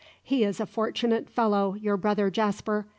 He is a fortunate fellow, your brother Jasper.